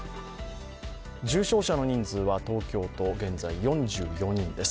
重症者の人数は東京都、現在４４人です。